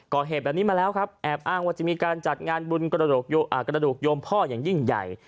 ก่อเหตุแบบนี้มาแล้วครับแอบอ้างว่าจะมีการจัดงานบุญกระดูกโยมพ่ออย่างยิ่งใหญ่